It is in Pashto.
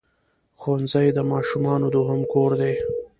ښوونځی د ماشومانو دوهم کور دی.